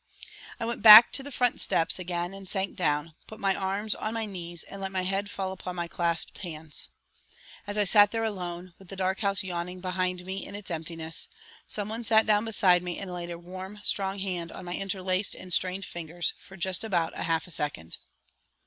I went back to the front steps, again sank down, put my arms on my knees, and let my head fall upon my clasped hands. As I sat there alone, with the dark house yawning behind me in its emptiness, someone sat down beside me and laid a warm, strong hand on my interlaced and strained fingers for just about half a second.